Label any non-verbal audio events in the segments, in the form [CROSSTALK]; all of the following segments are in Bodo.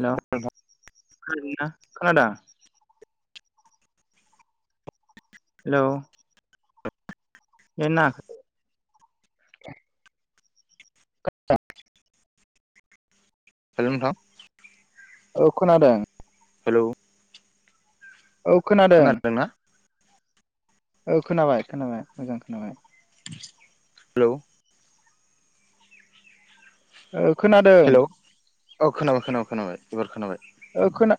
हेल' खोनादो नोंथां खोनदों? हेलौ। [UNINTELLIGIBLE] खानादों? हेलौ नोंथां। औ खोनादों? हेलौ। औ खोनादों। खोनादोंना ओ खोनाबाय मोजां खोनाबाय। हेलौ। ओ खोनादों। हेलौ औ खोनाबाय खोनाबाय खोनाबाय एबार खोनाबाय। औ खोना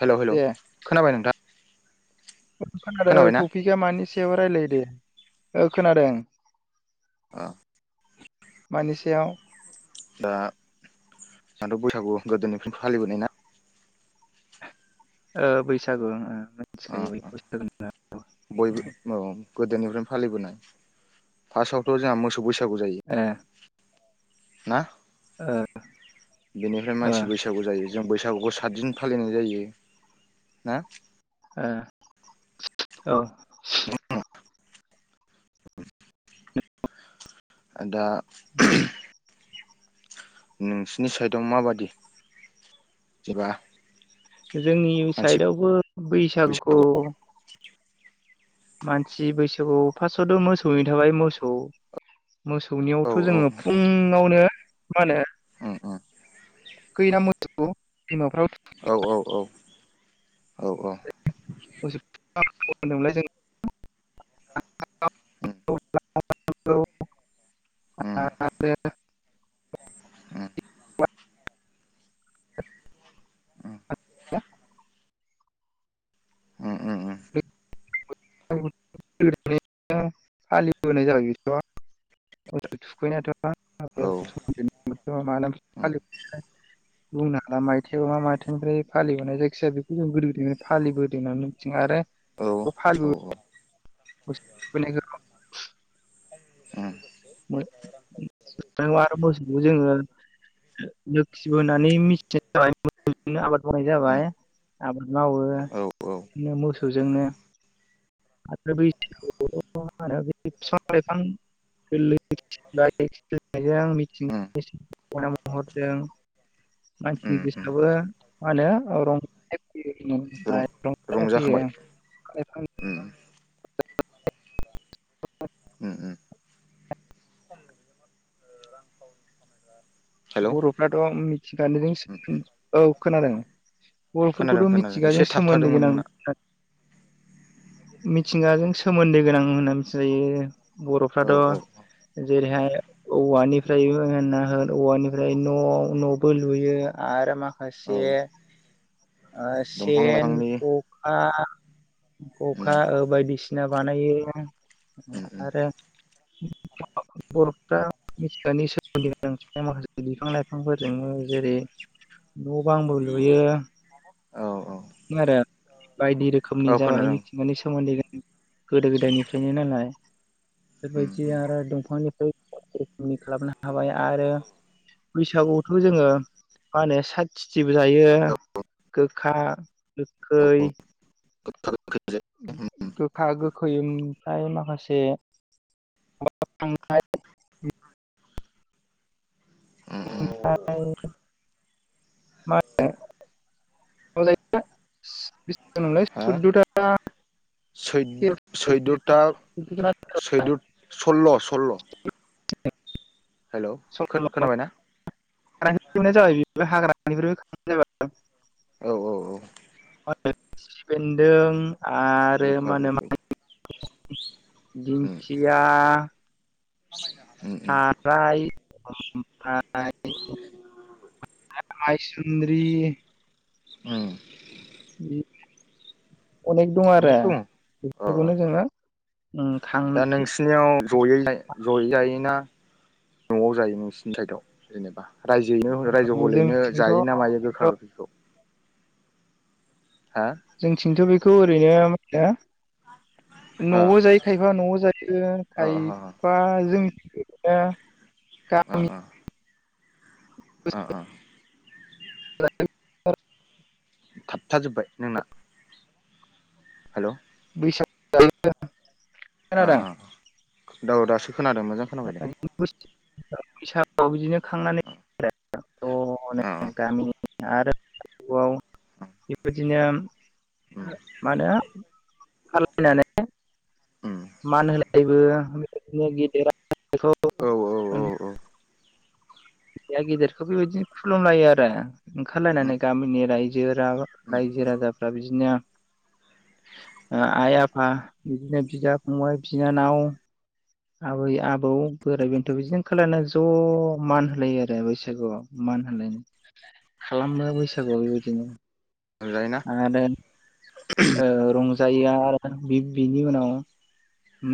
हेल' हेल' दे खोनाबाय नोंथां। खोनादों खोनाबायना टपिकआ मानि सायाव रायलायो दे ओ खोनादों। अ। मानि सायाव? दा दाथ' बैसागु गोदोनिफ्राय फालिबोनाय ना? ओ बैसागु अ मिथिखायो बयबो औ गोदोनिफ्रायनो फालिबोनाय फार्स्टआवथ' जोंहा मोसौ बैसागु जायो। ओ। [UNINTELLIGIBLE] बेनिफ्राय ओ मानसि बैसागो बैसागु जायो जों बैसागुखौ सातदिन फालिनाय जायो। ना? ओ औ। ओ दा। नोंसिनि साइडआव माबादि जेबा जोंनि मानसि साइदआवबो बैसागुखौ बैसागु मानसि बैसागु फार्स्टआवथ' मोसौै थाबाय मोसौ औ मोसौनियावथ' औ जोङो फुनङावनो मा होनो उम उम थुखैयो ना मोसौखौ दैमाफ्राव औ औ औ औ औ। [UNINTELLIGIBLE] [INAUDIBLE] [UNINTELLIGIBLE] [UNINTELLIGIBLE] उम ओम। उम [INAUDIBLE] ओम ओम। [UNINTELLIGIBLE] फालिबोनाय जाबाय बि थुखैनायाथ' औ म [UNINTELLIGIBLE] औ उम [INAUDIBLE] बुंनो हाला मा माइथाइनिफ्राय फालिबोननाय जायखिजाया बेखौ जों गोदो गोदाय निफ्राय फालिबोदों होननानै [UNINTELLIGIBLE] [UNINTELLIGIBLE] [UNINTELLIGIBLE] [UNINTELLIGIBLE] [UNINTELLIGIBLE] बोसोराव जोङो [UNINTELLIGIBLE] [INAUDIBLE] लोखि बोनानै मिथिनाय जाबायनो आबाद मावनाय उम जाबाय आबाद मावो औ औ बिदिनो मोसौजोंनो आरो बैसागुआव मा होनो बिफां लाइफां गोरलै बिलाइ खिलिनाय जों उम मिथिंगानि समायना महरजों मानसिनि उम उम गोसोआबो मा होनो [INAUDIBLE] रं रंजानाय रंजाखांबाय फैयो [INAUDIBLE] उम उम उम हेलौ बर' फोराथ' मिथिंगाजों उम उम सोमोनदो औ खोनादों। खोनादों बर'फोरखौथ' खोनादों एसे मिथिंगाजों सोमोन्दो थाबथादोंमोन गोनां नोंना होननानै मिथिंगाजों सोमोन्दो गोनां होनना मिथिजायो औ बर'फ्राथ' औ जेरैहाय औवानिफ्रायबो होन औवानि जेरै न' न'बो लुयो आरो औ माखासे ओ दंफां सेन, लाइफांनि खखा खखा उम ओ बायदिसिना बानायो। उम उम आरो बर'फ्रा मिथिंगानि सोमोन्दो गोनां माखासे बिफां लाइफांफोरजोंनो जेरै न' बांबो लुयो। औ औ आरो बायदि औ रोखोमनि जाबाय खोनादों मिथिं गानि सोमोन्दै गोनां गोदो गोदायनिफ्रायनो नालाय। उम बेफोरबायदि उम आरो दंफांनिफ्राय रोखोमनि खालामनो हाबाय आरो बैसागुआवथ' जोङो मा होनो साथ थिथिबो जायो। औ गोखा औ औ गोखै गोखा गोखैजों उम गोखा गोखै ओमफ्राय माखासे खांनाय उम उम ओमफ्राय मा होनो [UNINTELLIGIBLE] सैद सैद'था सैद' सल्ल' सल्ल' हेल' खोनाबायना? [UNINTELLIGIBLE] औ औ औ। मा होनो खिफि बेदों आरो गोखा मा होनो गोखै मानिमुनि, दिंखिया ओम ओम फ्राय ओमफ्राय मायसुन्द्रि ओम। अनेक दं आरो अ बेफोरखौनो जोङो उम दा खांनानै जयै जयै जायो ना न'आव जायो नोंसिनि साइदआव? रायजोयैनो रायजो हलैनो जोंथिंथ' जाय ना मायो गोखा गोखैखौ? हो? जोंनिथिंथ' बेखौ ओरैनो हो? न'आव जायो खायफा न'आव जायो ओ खायफा जोंनिथिंजा गामि अह अह। [UNINTELLIGIBLE] थाबथाजोबबाय नोंना। हेलौ? बैसागु जाहैनो अ अ औ दासो खोनादों मोजां। खोनाबाय दे बैसागुआव बिदिनो खांनानै ओ ओ [UNINTELLIGIBLE] आरो आव बेबायदिनो उम मानो खालायनानै उम। मान होलायनायबो बेबायदिनो गेदेरा उन्दैखौ औ औ औ औ। उन्दैआ गेदेरखौ बेबायदिनो खुलुमलायो आरो उम ओंखारलायनानै गामिनि रायजो राजा उम रायजो राजाफ्रा बिदिनो आइ आफा बिदा फंबाय बिनानाव आबै आबौ बोराइ बेन्थ' बिदिनो ओंखारलांनायनै ज' मान होलायो आरो बैसागुआव। मान होलायनाय खालामो बैसागुआव बेबायदिनो जायोना आरो ओ रंजायो आरो बिनि उनाव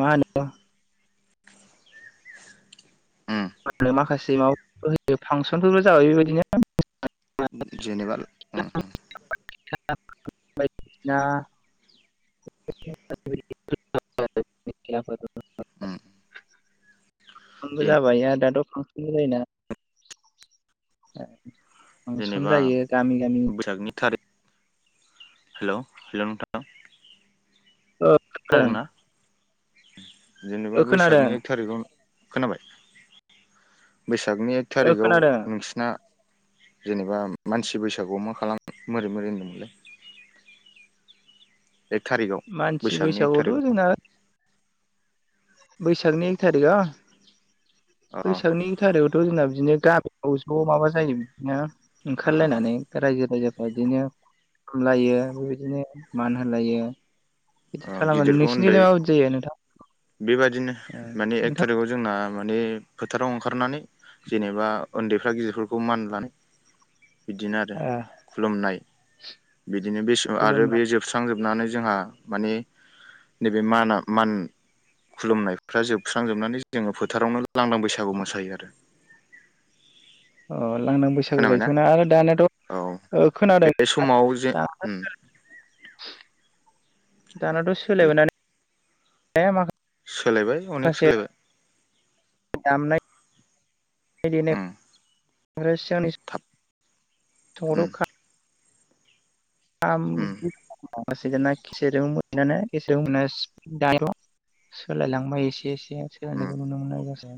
मा होनो उम मानो माखासे माबाफोर होयो फांसनफोरबो जाबाय बेबायदिनो। जेनेबा उम उम। [UNINTELLIGIBLE] [INAUDIBLE] उम फांसनबो जाबाय आरो दाथ' फांसनबो जायोना। फांसन जायो गामि-गामि। बैसागुनिकनि थारिख हेलौ हेलौ नोंथां। औ खोनादों ना? जेनेबा ओ खोनादों बैसागनि एक थारिखआव खोनाबाय बैसागनि एक ओ थारिखाव खोनादों नोंसिना जेनेबा मानसि बैसागुआव मा खालामो मोरै मोरै होन्दोंमोनलाय एक थारिखआव मानसि बैसागनि एक थारिखआव बैसागुआवथ'जोंना बैसागनि एक थारिखा। अ बैसागनि एक थारिखआवथ' जोंना बिदिनो गामियाव ज' माबा जायो बिदिनो ओंखारलायनानै अ रायजो राजाफ्रा बिदिनो खुलुमलायो बेबायदिनो मान होलायो। बिदि खालामो नोंसोरनि गिदिरखौ उन्दै जायलाय माबादि जायो नोंथां? बेबादिनो माने एक नोंथां थारिखआव जोंना माने फोथाराव ओंखारनानै जेनेबा उन्दैफ्रा गिदिरफोरखौ मान लानाय बिदिनो आरो ओ खुलुमनाय बिदिनो बे सम आरो खुलुमना बे जोबस्रां जोबस्रां जोबनानै जोंहा माने नैबे माना मान खुलुमनायफ्रा जोबस्रांजोबनानै जोङो फोथारावनो लांदां बैसागु मोसायो आरो। अ लांदां बैसागु खोनाबायना जायोथ'ना आरो दानाथ' औ खोनादों बे नोंथाङा समाव जे दा दानाथ' सोलायबायना माखासे सोलायबाय अनेक सोलायबाय। दामनाय देनाय। उम आरो सिगांनि थाब उम समावथ' खा उम [UNINTELLIGIBLE] सोलायलांबाय एसे-एसे। उम गेलेनायखौ नुनो मोननाया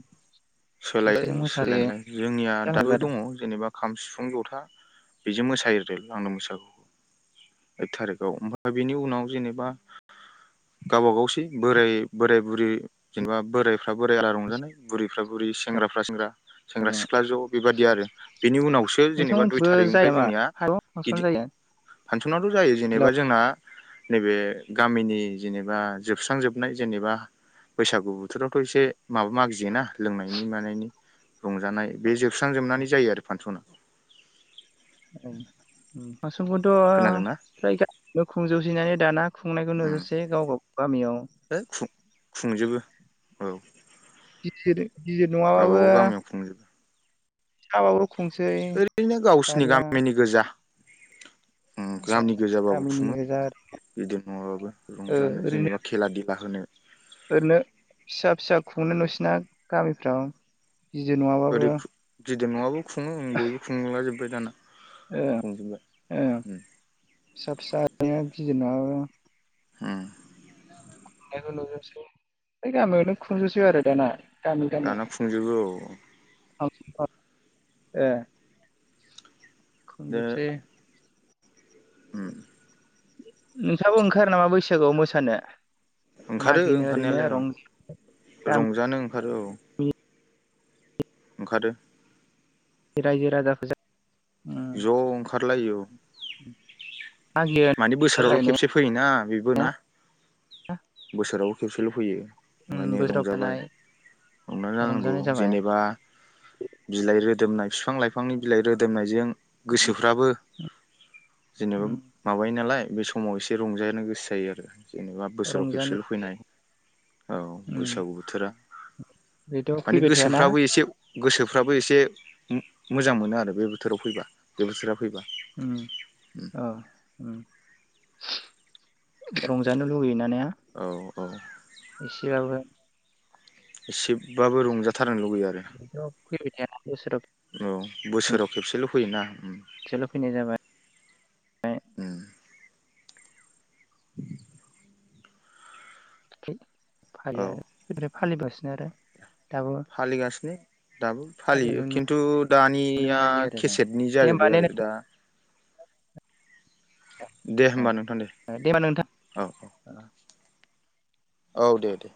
सोलायबाय खेसे मोसायो सोलायनायालाय जोंनिया दाबो जाबायबाय दङ आरो जेनेबा खाम सिफुं जथा बेजों मोसायो लांदां बैसागुखौ। एक थारिकाव ओमफ्राय बेनि उनाव जेनेबा गावबा गावसै बोराय बोराय बुरै जेनेबा बोरायफ्रा बोराय आलदा रंजानाय बुरैफ्रा बुरै सेंग्राफ्रा सेंग्रा। सेंग्रा सिख्ला ज' बेबायदि आरो बेनि उनावसो जेनेबा दुइ नोंथांमोनथिंबो जायो थारिकनिफ्राय नामा जोंनिया फांसन जायो फानसनाथ' जायो जेनेबा जोंना नैबे गामिनि जेनेबा जोबस्रांजोबनाय जेनेबा बैसागु बोथोरावथ' एसे माबा मागियो ना लोंनायनि मानायनि रंजानाय बे जोबस्रांजोबनानै जायो आरो फानसना। फानसखौथ' खोनादोंना फ्राय गामियावनो खुंजोबसैनानै दाना खुंनायखौ नुसेै गाव गाव गामियाव। है खुं‌ खुंजोबो औ। गिदिर - गिदिर नङाबाबो गावबागाव गामियाव खुंजोबो फिसाबाबो खुंसै ओरैनो गावसिनि दानिया गामिनि गोजा। गामि गोजाबाबो गामिनि खुङो गोजा गिदिर नङाबाबो रंजानो ओरैनो जेनेबा खेला-देला होनो। ओरैनो फिसा-फिसा खुंनो नोंसिना गामिफ्राव बिदिर ओरै नङाबाबो गिदिर नङाबाबो खुङो बयबो खुंलाजोबबाय दाना। ओं खुंजोबबाय ओं उम फिसा फिसा‌ गिदिर नङाबाबो ओम फ्राय गामियावनो खुंजोबसै आरो दाना। गामि- गामि दाना खुंजोबो औ ए खुंजोबसेै ओम नोंथाङाबो ओंखारो नामा बैसागोआव मोसानो? ओंखारो मागिनो ओरैनो ओंखारनायालाय औ रंज गामि रंजानो ओंखारो औ। ओंखारो। रायजो ज' राजाफोरजों ओंखारलायो औ उम मागियो माने बोसोरावल' ओंखारलायनाय खेबसे फैयोना बेबो ना बोसोराव खेबसेल' फैयो। उम माने बोसोराव रंजाबाय थानाय [UNINTELLIGIBLE] जानांगौ रंजानाय जाबाय जेनेबा बिलाइ रोदोमनाय बिफां लाइफांनि बिलाइ मोदोमनायजों उम गोसोफ्राबो जेनेबा उम माबायो नालाय बे सम समाव एसे रंजानो गोसो जायो आरो जेनेबा बोसोराव रंजानो खेबसेल' फैनाय औ उम बैसागु बोथोरा। बेथ' माने फैबाय थायाना गोसोफ्राबो एसे गोसोफ्राबो एसे मोजां मोनो आरो बे बोथोराव फैबा बे बोथोरा फैबा ओम ओ ओम रंजानो लुुबैयो ना ने औ औ एसेबाबो? एसेबाबो रंजाथारनो लुगैयो आरो। बेथ' फैबाय थायाना बोसोराव औ बोसोराव खेबसेल' फैयोना ओम। खेबसेल' फैनाय जाबाय उम [INAUDIBLE] औ फालियो आरो बेनिफ्राय फालिगासिनो आरो। दाबो फालिगासिनो दाबो फालिनाय फालियो नुनो खिन्थु दानिया मोननाय जायो आरो जों केसेटनि दे होमबा जाजोब्बाय ने आरो दा नोंथां दे होमबा नोंथां दे होमबा नोंथां औ औ औ दे दे